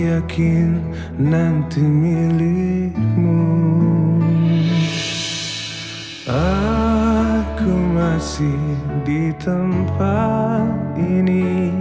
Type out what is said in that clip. aku masih di tempat ini